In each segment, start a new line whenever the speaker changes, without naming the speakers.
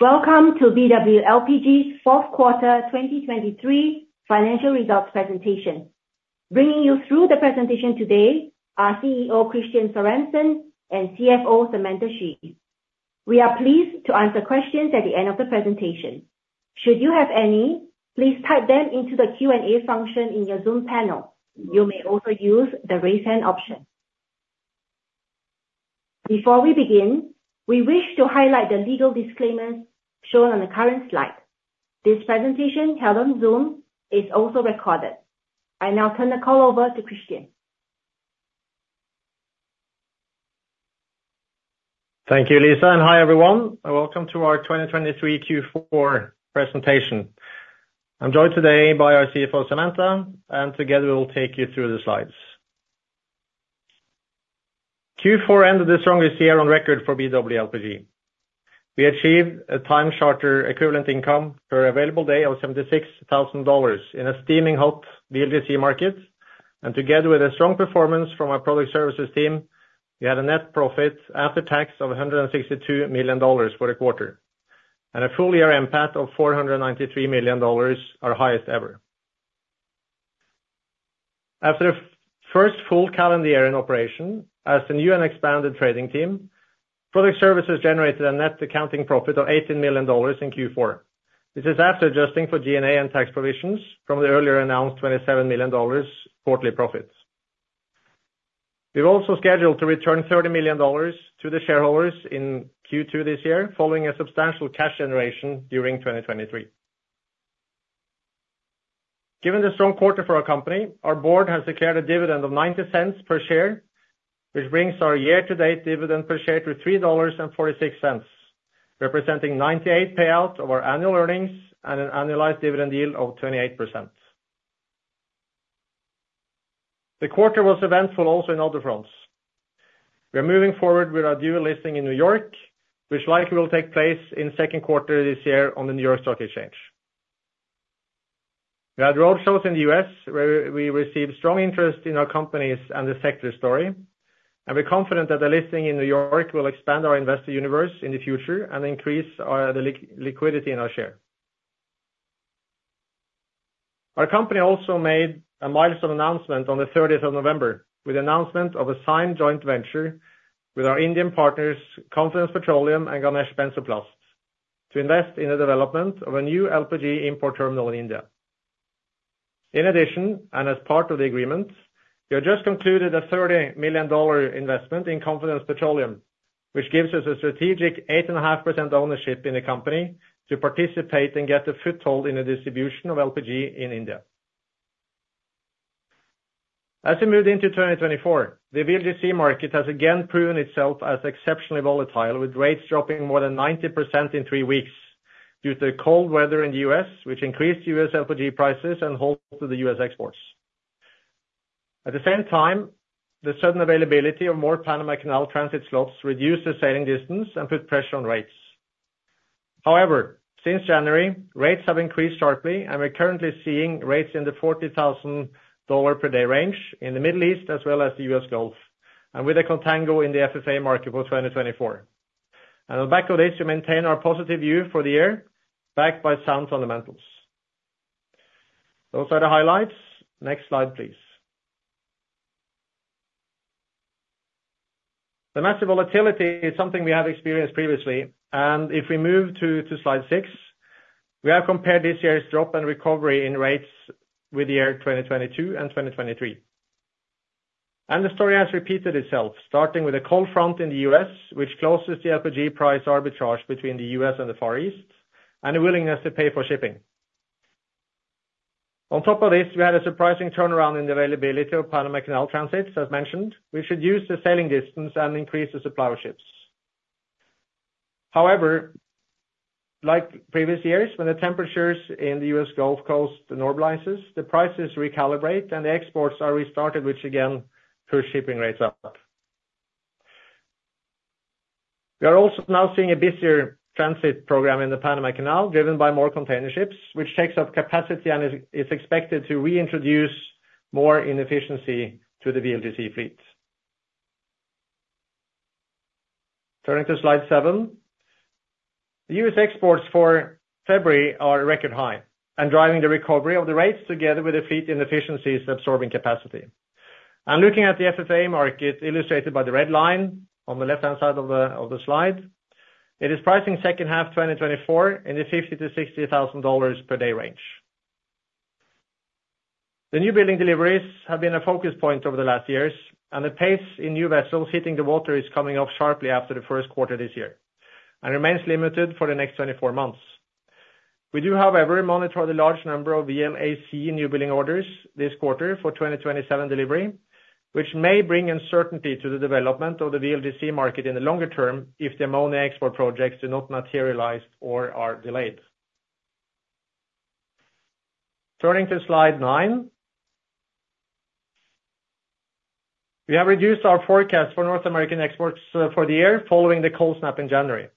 Welcome to BW LPG's fourth quarter 2023 financial results presentation. Bringing you through the presentation today are CEO Kristian Sørensen and CFO Samantha Xu. We are pleased to answer questions at the end of the presentation. Should you have any, please type them into the Q&A function in your Zoom panel. You may also use the raise hand option. Before we begin, we wish to highlight the legal disclaimers shown on the current slide. This presentation held on Zoom is also recorded. I now turn the call over to Kristian.
Thank you, Lisa, and hi everyone. Welcome to our 2023 Q4 presentation. I'm joined today by our CFO Samantha, and together we will take you through the slides. Q4 ended the strongest year on record for BW LPG. We achieved a Time Charter Equivalent income per available day of $76,000 in a steaming hot VLGC market, and together with a strong performance from our Product Services team, we had a net profit after tax of $162 million for the quarter, and a full-year impact of $493 million, our highest ever. After the first full calendar year in operation, as the new and expanded trading team, Product Services generated a net accounting profit of $18 million in Q4. This is after adjusting for G&A and tax provisions from the earlier announced $27 million quarterly profits. We've also scheduled to return $30 million to the shareholders in Q2 this year, following a substantial cash generation during 2023. Given the strong quarter for our company, our board has declared a dividend of $0.90 per share, which brings our year-to-date dividend per share to $3.46, representing 98% payout of our annual earnings and an annualized dividend yield of 28%. The quarter was eventful also in other fronts. We are moving forward with our dual listing in New York, which likely will take place in second quarter this year on the New York Stock Exchange. We had roadshows in the US where we received strong interest in our company's and the sector's story, and we're confident that the listing in New York will expand our investor universe in the future and increase the liquidity in our share. Our company also made a milestone announcement on the 30th of November with the announcement of a signed joint venture with our Indian partners Confidence Petroleum and Ganesh Benzoplast to invest in the development of a new LPG import terminal in India. In addition, and as part of the agreement, we have just concluded a $30 million investment in Confidence Petroleum, which gives us a strategic 8.5% ownership in the company to participate and get a foothold in the distribution of LPG in India. As we move into 2024, the VLGC market has again proven itself as exceptionally volatile, with rates dropping more than 90% in three weeks due to cold weather in the U.S., which increased U.S. LPG prices and halted the U.S. exports. At the same time, the sudden availability of more Panama Canal transit slots reduced the sailing distance and put pressure on rates. However, since January, rates have increased sharply, and we're currently seeing rates in the $40,000 per day range in the Middle East as well as the U.S. Gulf, and with a contango in the FFA market for 2024. On the back of this, we maintain our positive view for the year, backed by sound fundamentals. Those are the highlights. Next slide, please. The massive volatility is something we have experienced previously, and if we move to slide six, we have compared this year's drop and recovery in rates with the year 2022 and 2023. The story has repeated itself, starting with a cold front in the U.S., which closes the LPG price arbitrage between the U.S. and the Far East, and a willingness to pay for shipping. On top of this, we had a surprising turnaround in the availability of Panama Canal transit, as mentioned, which reduced the sailing distance and increased the supply of ships. However, like previous years, when the temperatures in the U.S. Gulf Coast normalize, the prices recalibrate, and the exports are restarted, which again push shipping rates up. We are also now seeing a busier transit program in the Panama Canal, driven by more container ships, which takes up capacity and is expected to reintroduce more inefficiency to the VLGC fleet. Turning to slide seven. The U.S. exports for February are record high, and driving the recovery of the rates together with the fleet inefficiencies absorbing capacity. Looking at the FFA market illustrated by the red line on the left-hand side of the slide, it is pricing second half 2024 in the $50,000-$60,000 per day range. The newbuilding deliveries have been a focal point over the last years, and the pace in new vessels hitting the water is coming off sharply after the first quarter this year and remains limited for the next 24 months. We do, however, monitor the large number of VLAC newbuilding orders this quarter for 2027 delivery, which may bring uncertainty to the development of the VLGC market in the longer term if the ammonia export projects do not materialize or are delayed. Turning to slide nine. We have reduced our forecast for North American exports for the year following the cold snap in January.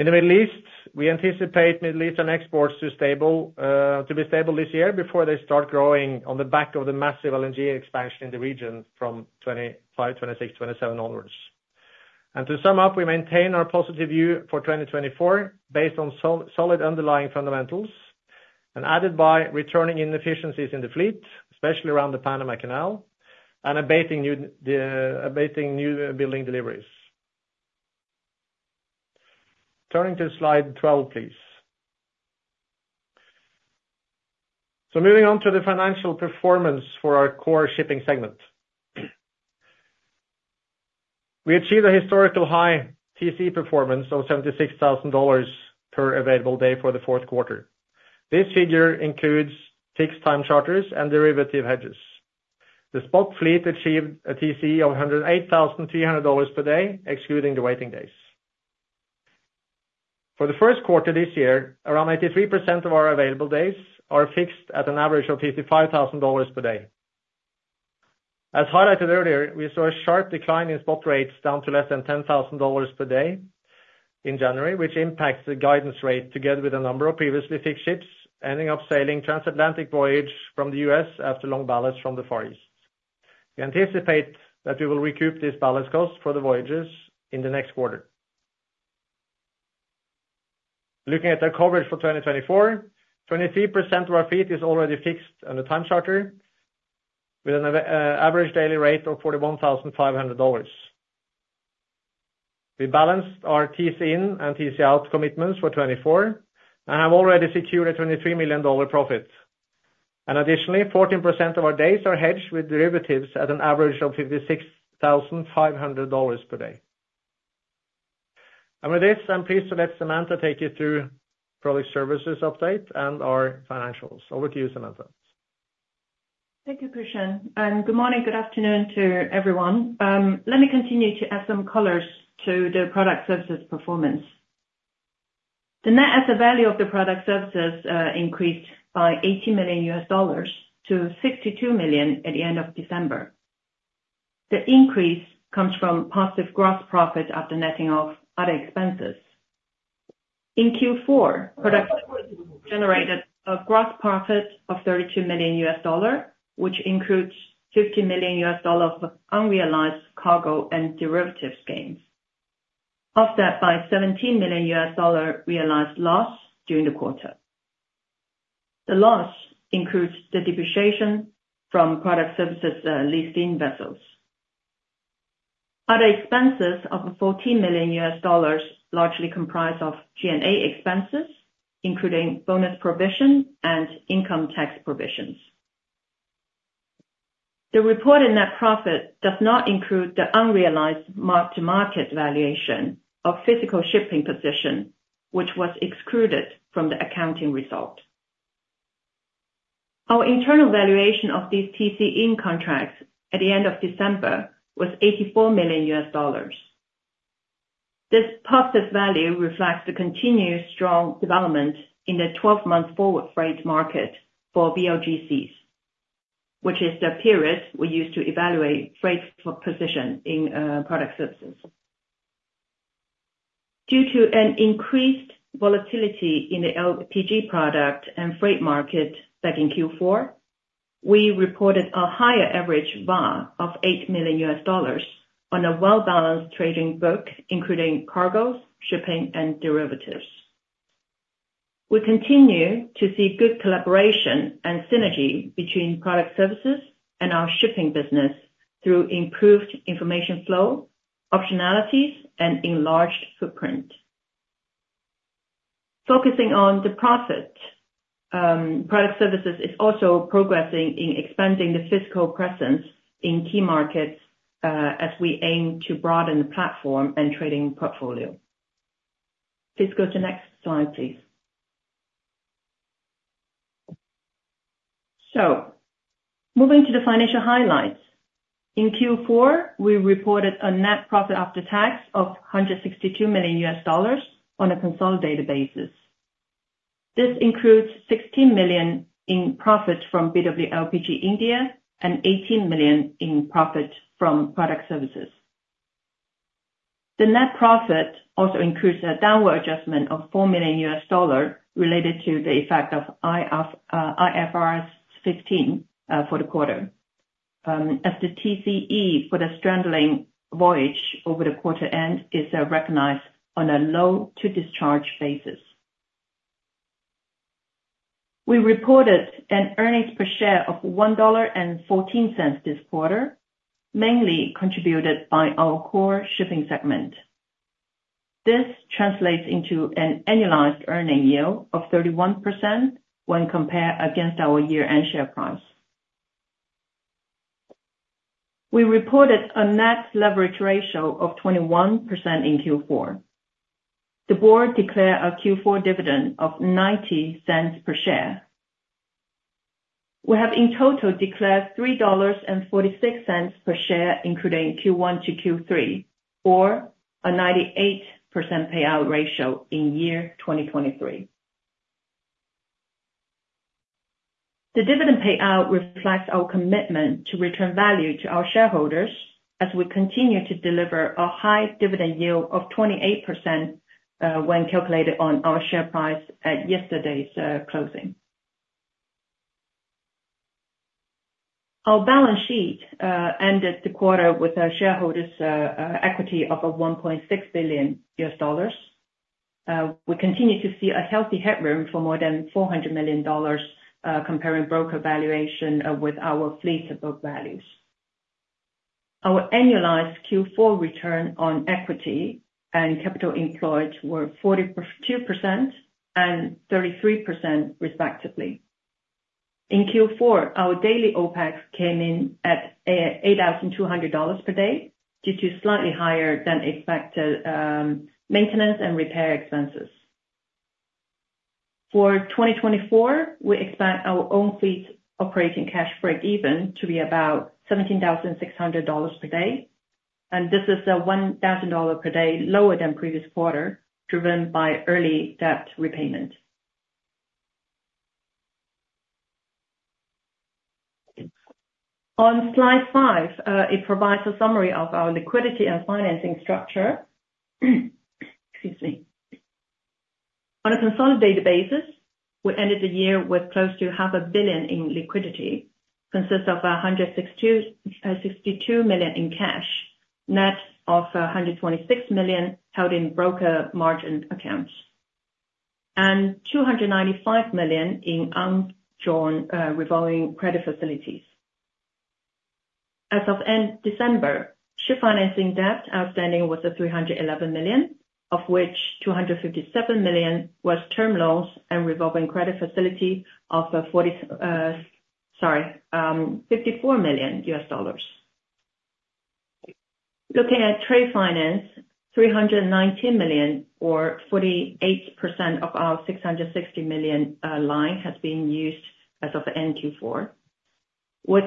In the Middle East, we anticipate Middle Eastern exports to be stable this year before they start growing on the back of the massive LNG expansion in the region from 2025, 2026, 2027 onwards. To sum up, we maintain our positive view for 2024 based on solid underlying fundamentals and added by returning inefficiencies in the fleet, especially around the Panama Canal, and abating new building deliveries. Turning to slide 12, please. Moving on to the financial performance for our core shipping segment. We achieved a historical high TC performance of $76,000 per available day for the fourth quarter. This figure includes fixed-time charters and derivative hedges. The spot fleet achieved a TC of $108,300 per day, excluding the waiting days. For the first quarter this year, around 83% of our available days are fixed at an average of $55,000 per day. As highlighted earlier, we saw a sharp decline in spot rates down to less than $10,000 per day in January, which impacts the guidance rate together with a number of previously fixed ships ending up sailing transatlantic voyage from the U.S. after long ballast from the Far East. We anticipate that we will recoup these ballast costs for the voyages in the next quarter. Looking at our coverage for 2024, 23% of our fleet is already fixed under time charter, with an average daily rate of $41,500. We balanced our TC-in and TC-out commitments for 2024 and have already secured a $23 million profit. And additionally, 14% of our days are hedged with derivatives at an average of $56,500 per day. And with this, I'm pleased to let Samantha take you through Product Services update and our financials. Over to you, Samantha.
Thank you, Kristian. Good morning. Good afternoon to everyone. Let me continue to add some colors to the Product Services performance. The net asset value of Product Services increased by $80 million to $62 million at the end of December. The increase comes from positive gross profit after netting off other expenses. In Q4, Product Services generated a gross profit of $32 million, which includes $50 million of unrealized cargo and derivatives gains, offset by $17 million realized loss during the quarter. The loss includes the depreciation from Product Services leasing vessels. Other expenses of $14 million largely comprise G&A expenses, including bonus provision and income tax provisions. The reported net profit does not include the unrealized Mark-to-Market valuation of physical shipping position, which was excluded from the accounting result. Our internal valuation of these TC-in contracts at the end of December was $84 million. This positive value reflects the continued strong development in the 12-month forward freight market for VLGCs, which is the period we use to evaluate freight position in Product Services. Due to an increased volatility in the LPG product and freight market back in Q4, we reported a higher average VAR of $8 million on a well-balanced trading book, including cargo, shipping, and derivatives. We continue to see good collaboration and synergy between Product Services and our shipping business through improved information flow, optionalities, and enlarged footprint. Focusing on the profit, Product Services is also progressing in expanding the physical presence in key markets as we aim to broaden the platform and trading portfolio. Please go to the next slide, please. So moving to the financial highlights. In Q4, we reported a net profit after tax of $162 million on a consolidated basis. This includes $16 million in profit from BW LPG India and $18 million in profit from Product Services. The net profit also includes a downward adjustment of $4 million related to the effect of IFRS 15 for the quarter, as the TCE for the straddling voyage over the quarter end is recognized on a load-to-discharge basis. We reported an earnings per share of $1.14 this quarter, mainly contributed by our core shipping segment. This translates into an annualized earning yield of 31% when compared against our year-end share price. We reported a net leverage ratio of 21% in Q4. The board declared a Q4 dividend of $0.90 per share. We have in total declared $3.46 per share, including Q1-Q3, or a 98% payout ratio in year 2023. The dividend payout reflects our commitment to return value to our shareholders as we continue to deliver a high dividend yield of 28% when calculated on our share price at yesterday's closing. Our balance sheet ended the quarter with a shareholders' equity of $1.6 billion. We continue to see a healthy headroom for more than $400 million, comparing broker valuation with our fleet's book values. Our annualized Q4 return on equity and capital employed were 42% and 33%, respectively. In Q4, our daily OPEX came in at $8,200 per day due to slightly higher-than-expected maintenance and repair expenses. For 2024, we expect our own fleet's operating cash break-even to be about $17,600 per day. This is $1,000 per day lower than previous quarter, driven by early debt repayment. On slide five, it provides a summary of our liquidity and financing structure. Excuse me. On a consolidated basis, we ended the year with close to $500 million in liquidity, consisting of $162 million in cash, net of $126 million held in broker margin accounts, and $295 million in unrevolving credit facilities. As of end December, ship financing debt outstanding was $311 million, of which $257 million was term loans and revolving credit facility of $54 million. Looking at trade finance, $319 million, or 48% of our $660 million line, has been used as of end Q4, with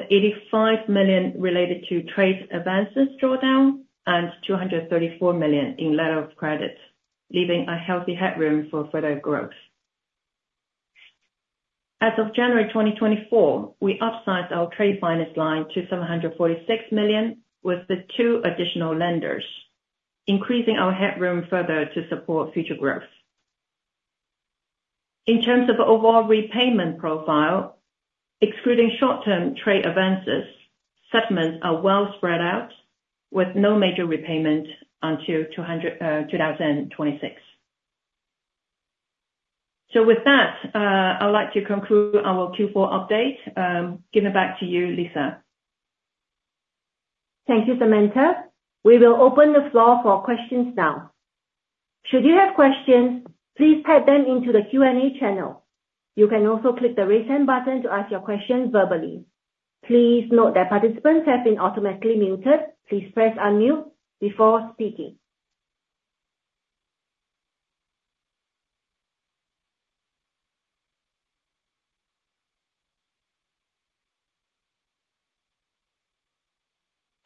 $85 million related to trade advances drawdown and $234 million in letter of credit, leaving a healthy headroom for further growth. As of January 2024, we upsized our trade finance line to $746 million with the two additional lenders, increasing our headroom further to support future growth. In terms of overall repayment profile, excluding short-term trade advances, settlements are well spread out with no major repayment until 2026. So with that, I'd like to conclude our Q4 update. Giving it back to you, Lisa.
Thank you, Samantha. We will open the floor for questions now. Should you have questions, please type them into the Q&A channel. You can also click the raise hand button to ask your questions verbally. Please note that participants have been automatically muted. Please press unmute before speaking.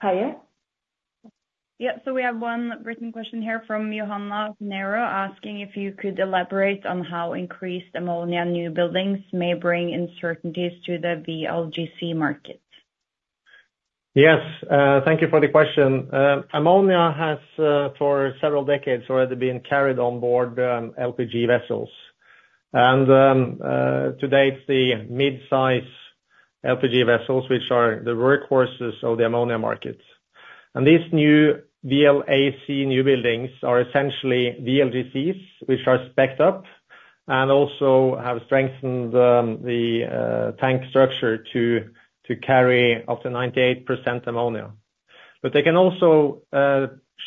Hiya. Yep. So we have one written question here from Johanna Fagerstedt asking if you could elaborate on how increased ammonia new buildings may bring uncertainties to the VLGC market.
Yes. Thank you for the question. Ammonia has, for several decades, already been carried on board LPG vessels. To date, the midsize LPG vessels, which are the workhorses of the ammonia market. These new VLAC new buildings are essentially VLGCs, which are specced up and also have strengthened the tank structure to carry up to 98% ammonia. But they can also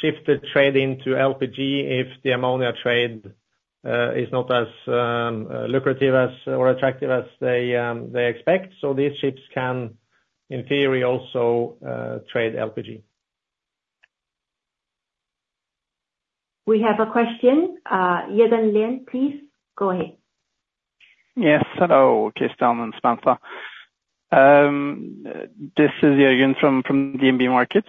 shift the trade into LPG if the ammonia trade is not as lucrative or attractive as they expect. These ships can, in theory, also trade LPG.
We have a question. Jørgen Lian, please go ahead.
Yes. Hello, Kristian and Samantha. This is Jorgen from DNB Markets.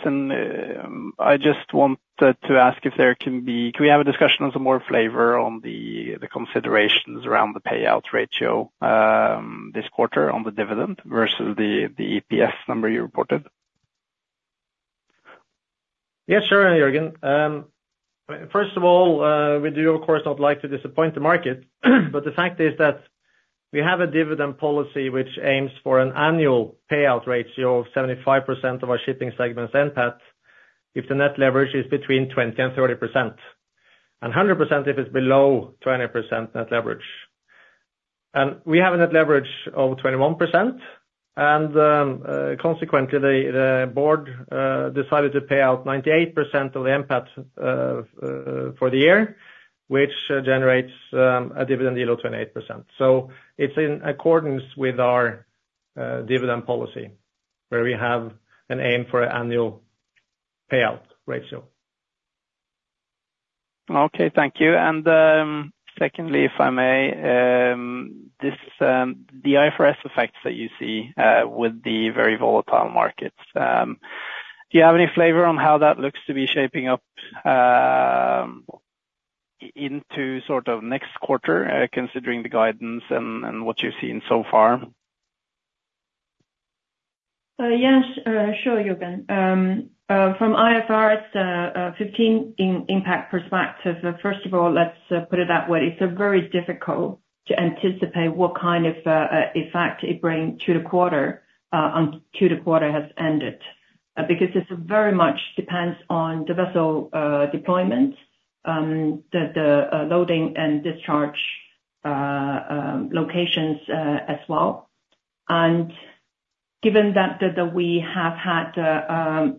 I just wanted to ask if we can have a discussion on some more flavor on the considerations around the payout ratio this quarter on the dividend versus the EPS number you reported?
Yes, sure, Jorgen. First of all, we do, of course, not like to disappoint the market. But the fact is that we have a dividend policy which aims for an annual payout ratio of 75% of our shipping segment's NPAT if the net leverage is between 20%-30%, and 100% if it's below 20% net leverage. And we have a net leverage of 21%. And consequently, the board decided to pay out 98% of the NPAT for the year, which generates a dividend yield of 28%. So it's in accordance with our dividend policy, where we have an aim for an annual payout ratio.
Okay. Thank you. And secondly, if I may, the IFRS effects that you see with the very volatile markets, do you have any flavor on how that looks to be shaping up into sort of next quarter, considering the guidance and what you've seen so far?
Yes. Sure, Jorgen. From IFRS 15 impact perspective, first of all, let's put it that way. It's very difficult to anticipate what kind of effect it brings to the quarter until the quarter has ended because it very much depends on the vessel deployment, the loading and discharge locations as well. And given that we have had, how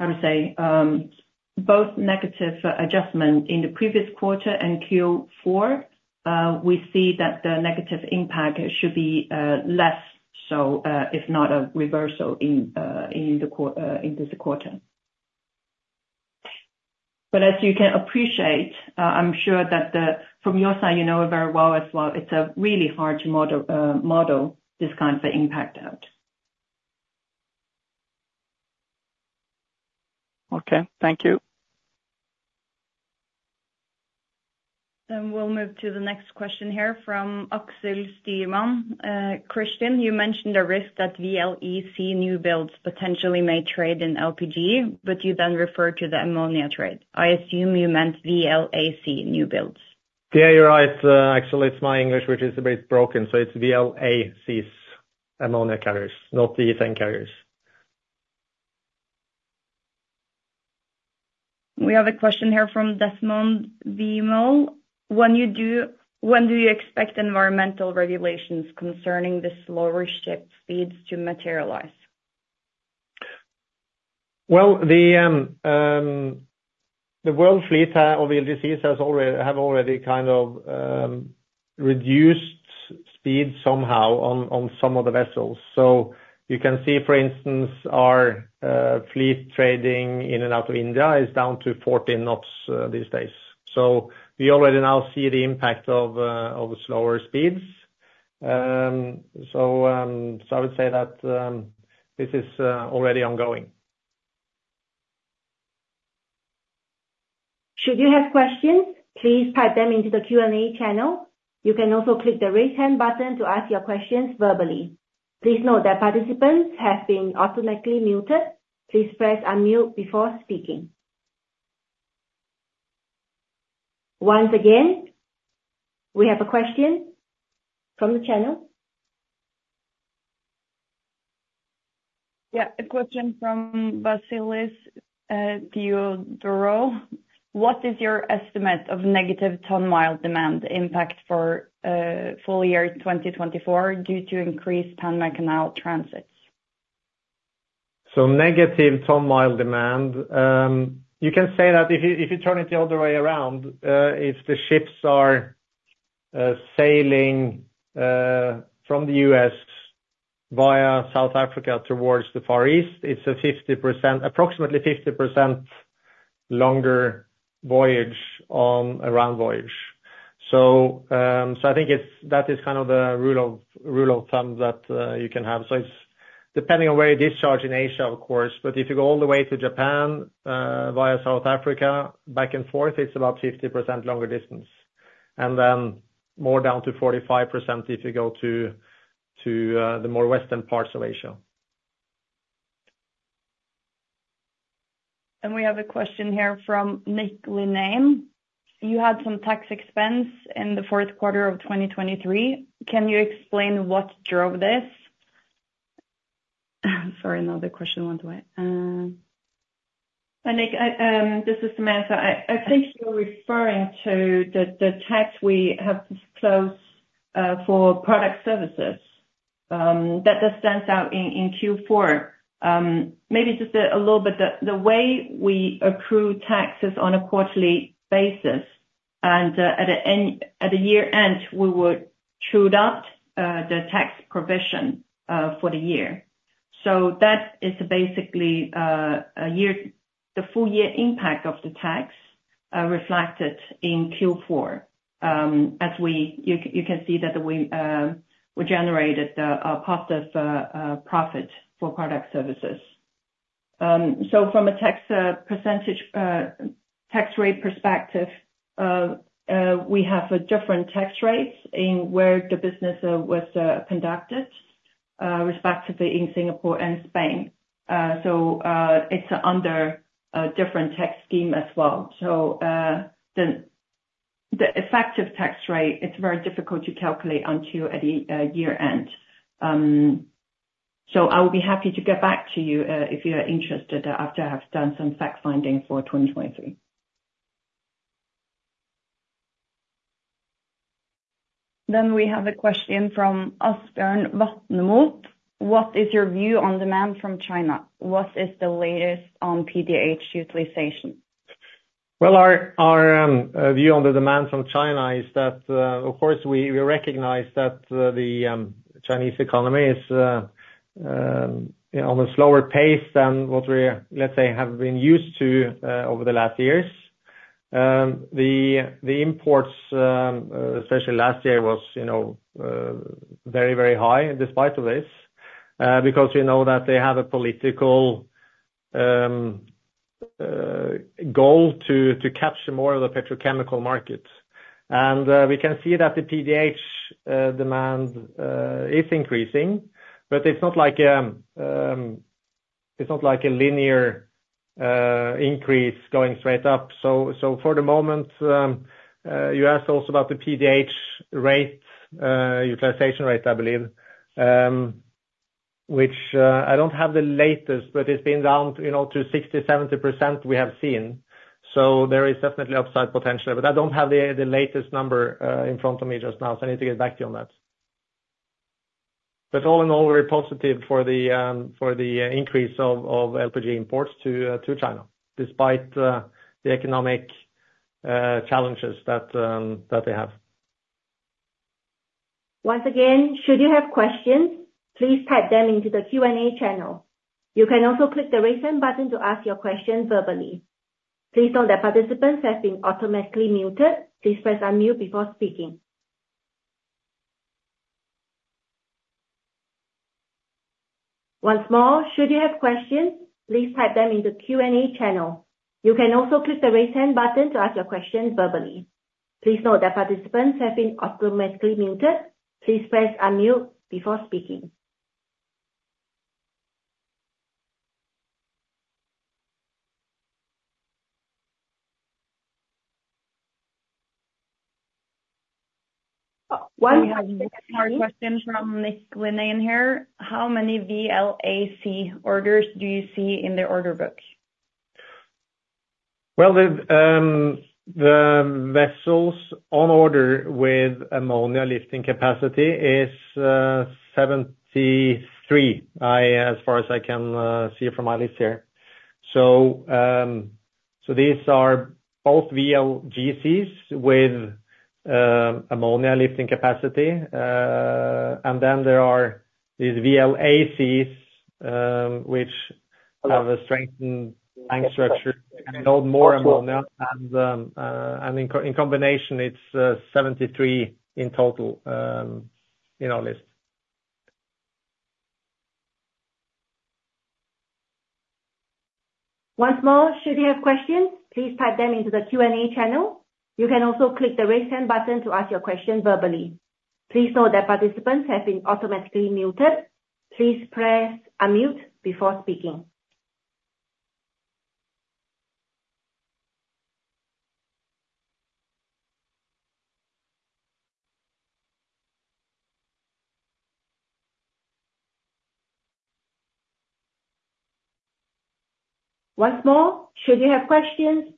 do I say, both negative adjustments in the previous quarter and Q4, we see that the negative impact should be less so, if not a reversal, in this quarter. But as you can appreciate, I'm sure that from your side, you know very well as well, it's really hard to model this kind of impact out.
Okay. Thank you.
We'll move to the next question here from Aksel Stierman. Kristian, you mentioned a risk that VLEC new builds potentially may trade in LPG, but you then referred to the ammonia trade. I assume you meant VLAC new builds.
Yeah, you're right. Actually, it's my English, which is a bit broken. So it's VLACs ammonia carriers, not the ethane carriers.
We have a question here from Desmond Vimol. When do you expect environmental regulations concerning the slower ship speeds to materialize?
Well, the world fleet of VLGCs have already kind of reduced speed somehow on some of the vessels. So you can see, for instance, our fleet trading in and out of India is down to 14 knots these days. So we already now see the impact of slower speeds. So I would say that this is already ongoing.
Should you have questions, please type them into the Q&A channel. You can also click the raise hand button to ask your questions verbally. Please note that participants have been automatically muted. Please press unmute before speaking. Once again, we have a question from the channel. Yeah. A question from Vasilis Theodorou. What is your estimate of negative ton-mile demand impact for full year 2024 due to increased Panama Canal transits?
Negative ton-mile demand, you can say that if you turn it the other way around, if the ships are sailing from the U.S. via South Africa towards the Far East, it's approximately 50% longer voyage on a round voyage. So I think that is kind of the rule of thumb that you can have. So it's depending on where you discharge in Asia, of course. But if you go all the way to Japan via South Africa, back and forth, it's about 50% longer distance, and then more down to 45% if you go to the more western parts of Asia.
We have a question here from Nick Linnan. You had some tax expense in the fourth quarter of 2023. Can you explain what drove this? Sorry, another question went away.
Nick, this is Samantha. I think you're referring to the tax we have disclosed for product services that stands out in Q4. Maybe just a little bit, the way we accrue taxes on a quarterly basis, and at the year-end, we would true it out, the tax provision for the year. So that is basically the full-year impact of the tax reflected in Q4, as you can see that we generated a positive profit for product services. So from a tax rate perspective, we have different tax rates in where the business was conducted, respectively in Singapore and Spain. So it's under a different tax scheme as well. So the effective tax rate, it's very difficult to calculate until at year-end. So I will be happy to get back to you if you're interested after I've done some fact-finding for 2023.
Then we have a question from Oskar Vatnan. What is your view on demand from China? What is the latest on PDH utilization?
Well, our view on the demand from China is that, of course, we recognize that the Chinese economy is on a slower pace than what we, let's say, have been used to over the last years. The imports, especially last year, was very, very high despite all this because we know that they have a political goal to capture more of the petrochemical market. And we can see that the PDH demand is increasing, but it's not like a it's not like a linear increase going straight up. So for the moment, you asked also about the PDH utilization rate, I believe, which I don't have the latest, but it's been down to 60%-70% we have seen. So there is definitely upside potential there. But I don't have the latest number in front of me just now, so I need to get back to you on that. All in all, very positive for the increase of LPG imports to China, despite the economic challenges that they have.
Once again, should you have questions, please type them into the Q&A channel. You can also click the raise hand button to ask your question verbally. Please note that participants have been automatically muted. Please press unmute before speaking. Once more, should you have questions,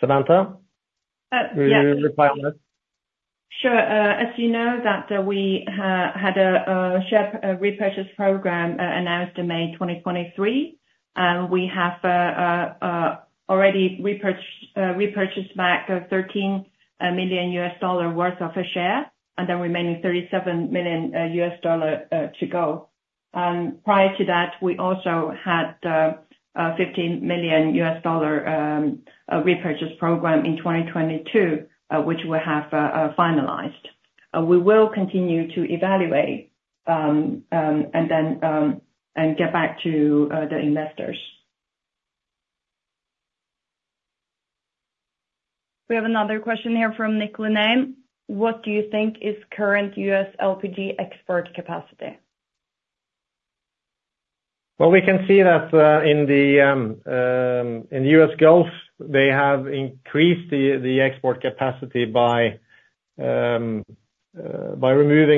Samantha?
Yes.
Will you reply on that?
Sure. As you know, we had a repurchase program announced in May 2023. We have already repurchased back $13 million worth of a share and the remaining $37 million to go. Prior to that, we also had a $15 million repurchase program in 2022, which we have finalized. We will continue to evaluate and get back to the investors.
We have another question here from Nick Linnan. What do you think is current US LPG export capacity?
Well, we can see that in the U.S. Gulf, they have increased the export capacity by removing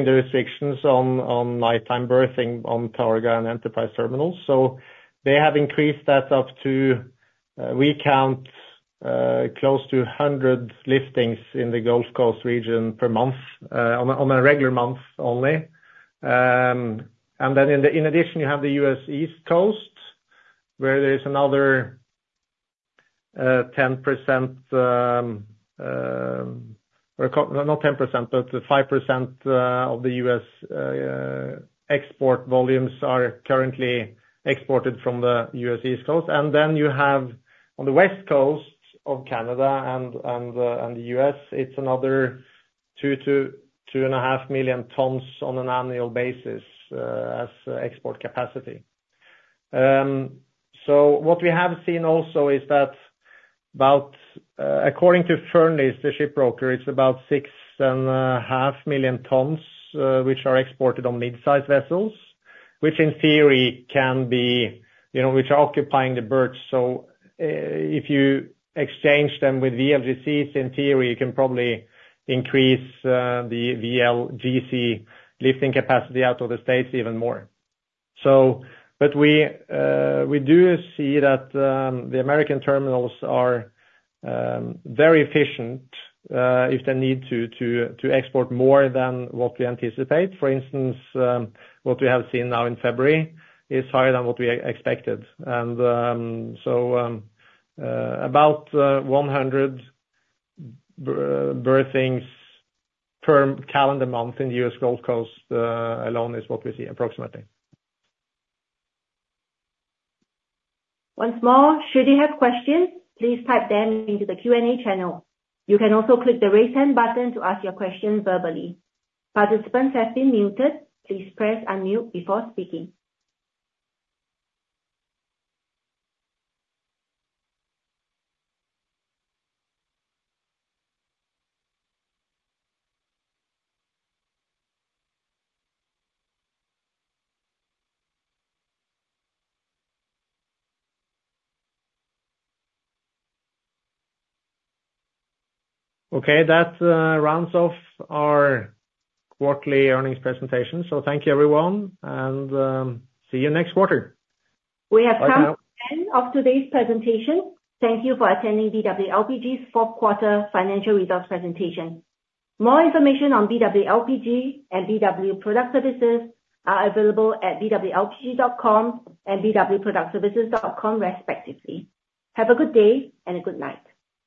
the restrictions on nighttime berthing on Targa and Enterprise terminals. So they have increased that up to we count close to 100 liftings in the Gulf Coast region per month on a regular month only. And then in addition, you have the U.S. East Coast, where there is another 10% or not 10%, but 5% of the U.S. export volumes are currently exported from the U.S. East Coast. And then you have on the West Coast of Canada and the U.S., it's another 2-2.5 million tons on an annual basis as export capacity. So what we have seen also is that according to Fearnleys, the ship broker, it's about 6.5 million tons, which are exported on midsize vessels, which in theory can be which are occupying the berth. So if you exchange them with VLGCs, in theory, you can probably increase the VLGC lifting capacity out of the states even more. But we do see that the American terminals are very efficient if they need to export more than what we anticipate. For instance, what we have seen now in February is higher than what we expected. And so about 100 berthings per calendar month in the US Gulf Coast alone is what we see, approximately. Once more, should you have questions, please type them into the Q&A channel. You can also click the raise hand button to ask your question verbally. Participants have been muted. Please press unmute before speaking. Okay. That rounds off our quarterly earnings presentation. Thank you, everyone, and see you next quarter.
We have come to the end of today's presentation. Thank you for attending BW LPG's fourth quarter financial results presentation. More information on BW LPG and BW Product Services is available at bwlpg.com and bwproductservices.com, respectively. Have a good day and a good night.